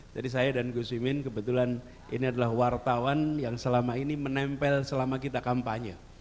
jadi saya dan gus wimin kebetulan ini adalah wartawan yang selama ini menempel selama kita kampanye